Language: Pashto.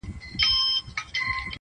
د ښو څه ښه زېږي، د بدو څه واښه.